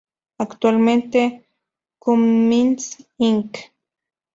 Actualmente Cummins Inc.